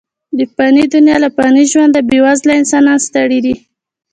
د فاني دنیا له فاني ژونده، بې وزله انسانان ستړي دي.